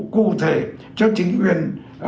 cụ thể cho chính quyền